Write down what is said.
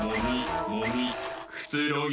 くつろぎ